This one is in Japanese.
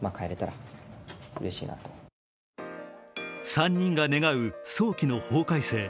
３人が願う早期の法改正。